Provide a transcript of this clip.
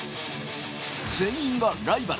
全員がライバル。